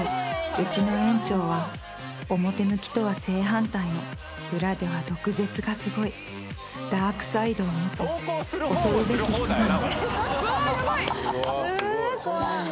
うちの園長は表向きとは正反対の裏では毒舌がすごいダークサイドを持つ恐るべき人なのです］